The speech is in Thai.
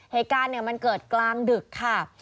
เหตุการณ์มันเกิดกลางดึกค่ะ